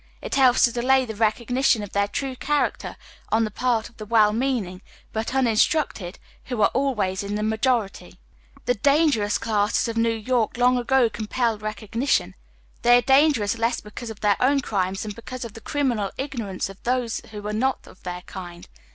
It helps to delay the recognition of their true character on the part of the well meaning, but uninstrueted, who are always in the majority. The " dangerous classes" of New York long ago com pelled recognition. They are dangerous less because of their own crimes than because of the criminal ignorance of tlioae who are not of their kind.